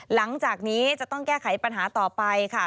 หลังจากนี้จะต้องแก้ไขปัญหาต่อไปค่ะ